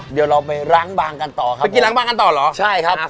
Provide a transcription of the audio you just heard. เดี๋ยวเราไปร้างบ้างกันต่อครับผม